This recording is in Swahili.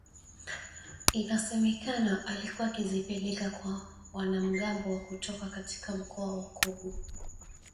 inasemekana alikuwa akizipeleka kwa wanamgambo wa kutoka katika mkoa wa Kobu